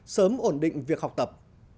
sớm ổn định việc học tập